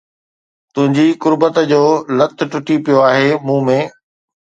تنهنجي قربت جو لت ٽٽي پيو آهي مون ۾